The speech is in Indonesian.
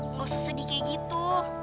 nggak usah sedih kayak gitu